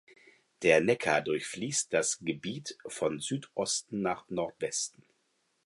Der Neckar durchfließt das Gebiet von Südosten nach Nordwesten.